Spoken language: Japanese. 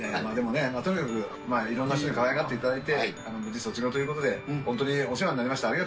でもね、とにかく、まあいろんな人にかわいがっていただいて無事卒業ということで、本当にお世話になりました。